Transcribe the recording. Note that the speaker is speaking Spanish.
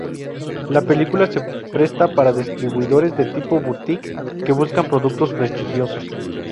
La película se presta para distribuidores de tipo "boutique" que buscan productos prestigiosos".